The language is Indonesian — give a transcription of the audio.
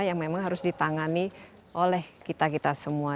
yang memang harus ditangani oleh kita kita semua